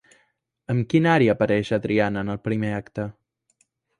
Amb quina ària apareix Adriana en el primer acte?